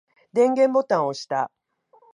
電源ボタンを押した。